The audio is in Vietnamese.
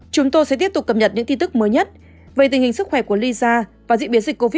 chúng tôi sẽ tiếp tục cập nhật những tin tức mới nhất về tình hình sức khỏe của lyza và diễn biến dịch covid một mươi chín